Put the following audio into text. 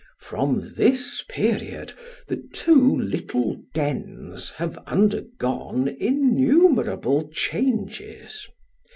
From this period, the two little dens have undergone innumerable changes.